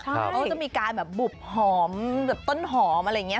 เขาจะมีการแบบบุบหอมแบบต้นหอมอะไรอย่างนี้